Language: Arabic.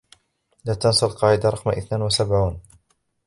لا تنسى القاعدة رقم إثنان وسبعون.